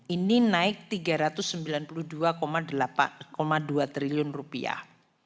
ini naik tiga ratus sembilan puluh dua dua triliun rupiah